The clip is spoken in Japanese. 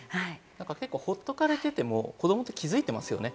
ほっとかれてても子どもって気づいてますよね。